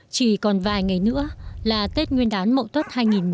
chỉ còn vài ngày nữa là tết nguyên đán mậu tuất hai nghìn một mươi chín